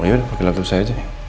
ya udah pakai laptop saya aja